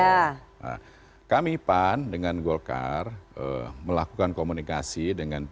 nah kami pan dengan golkar melakukan komunikasi dengan p tiga